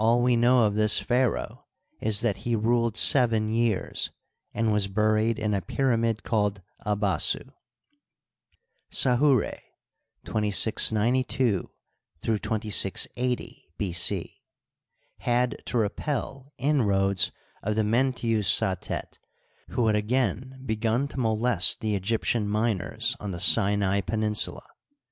we know of this pharaoh is that he ruled seven years, and was buried in a pyramid called Abasu. Sahura (2692 2680 B. C.) had to repel inroads of the Menttu Satet, who had ag^in begun to molest the Egyp tian miners on the Sinai peninsula.